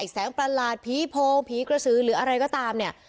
แสงประหลาดผีโพงผีกระสือหรืออะไรก็ตามเนี่ย